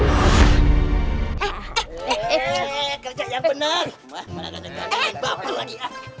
kerja yang benar